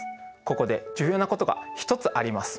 ここで重要なことが一つあります。